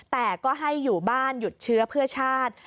แต่ก็ให้อยู่บ้านหยุดเชื้อเพื่อชาติ